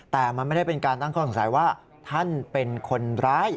แต่มันไม่ได้เป็นการตั้งข้อสงสัยว่าท่านเป็นคนร้าย